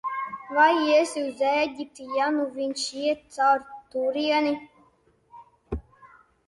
Vai iesi uz Ēģipti, ja nu viņš iet caur turieni?